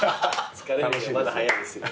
疲れるのはまだ早いですよ。